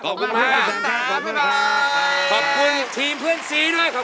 ขอบคุณมากบิ๊กก็อด